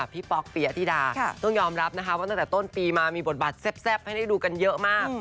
ป๊อกปีอธิดาต้องยอมรับนะคะว่าตั้งแต่ต้นปีมามีบทบาทแซ่บให้ได้ดูกันเยอะมาก